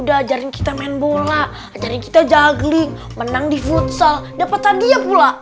ajarin kita main bola ajarin kita juggling menang di futsal dapet hadiah pula